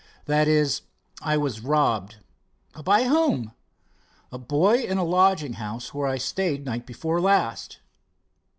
"That is, I was robbed." "By whom?" "A boy in a lodging house where I stayed night before last."